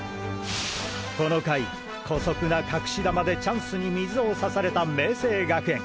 この回姑息な隠し球でチャンスに水を差された明青学園。